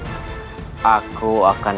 aku akan menginginkan